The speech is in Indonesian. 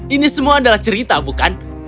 ini semua adalah cerita bukan